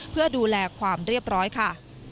เพื่อดูแลความเรียบร้อยค่ะ